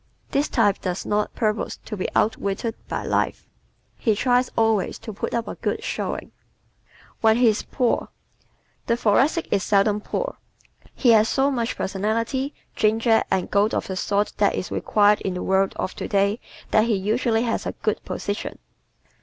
This type does not purpose to be outwitted by life. He tries always to put up a good showing. When He is Poor ¶ The Thoracic is seldom poor. He has so much personality, ginger and go of the sort that is required in the world of today that he usually has a good position.